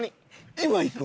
今行くん？